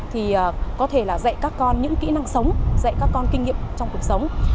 thì có thể là dạy các con những kỹ năng sống dạy các con kinh nghiệm trong cuộc sống